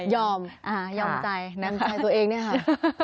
ยอมนำใจตัวเองนะคะอ่ายอมใจ